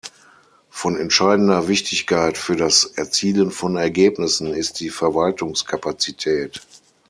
Von entscheidender Wichtigkeit für das Erzielen von Ergebnissen ist die Verwaltungskapazität.